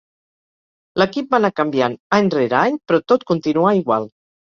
L'equip va anar canviant any rere any, però tot continuà igual.